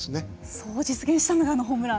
そこを実現したのがあのホームラン。